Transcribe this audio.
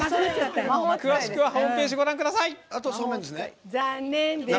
詳しくはホームページご覧ください！